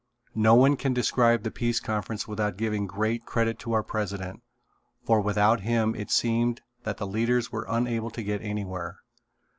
No one can describe the Peace Conference without giving great credit to our president, for without him it seemed that the leaders were unable to get anywhere.